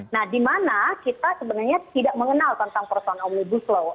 nah dimana kita sebenarnya tidak mengenal tentang persoalan omnibus law